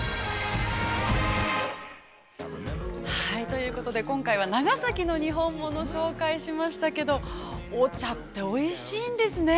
◆ということで、今回は長崎のにほんものを紹介しましたけど、お茶っておいしいんですね。